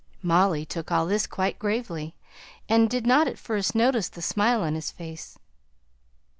Molly took all this quite gravely, and did not at first notice the smile on his face.